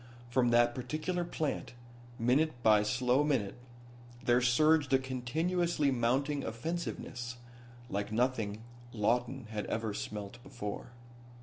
From that particular plant, minute by slow minute, there surged a continuously mounting offensiveness, like nothing Lawton had ever smelt before.